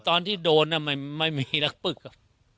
ตอนที่โดนน่ะไม่มีล้างปรึกอ่ะ